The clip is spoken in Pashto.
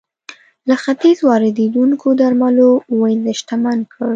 له ختیځه واردېدونکو درملو وینز شتمن کړ